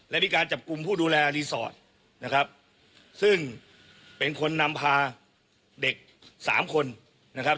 และมีการจับกลุ่มผู้ดูแลรีสอร์ทนะครับซึ่งเป็นคนนำพาเด็กสามคนนะครับ